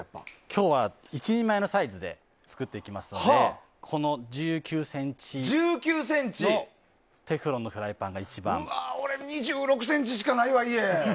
今日は１人前のサイズで作っていきますのでこの１９ｃｍのテフロンのフライパンが俺、２６ｃｍしかないわ、家。